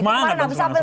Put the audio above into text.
semangat bang semangat